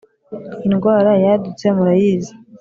indwara yadutse murayizi